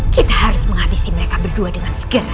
kita harus menghabisi mereka berdua dengan segera